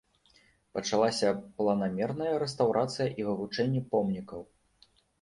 Пачалася планамерная рэстаўрацыя і вывучэнне помнікаў.